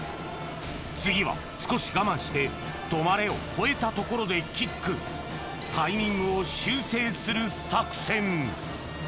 次は少し我慢して「止まれ」を越えたところでキックタイミングを修正する作戦